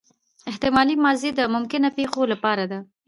احتمالي ماضي د ممکنه پېښو له پاره ده.